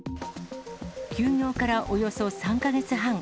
休業からおよそ３か月半。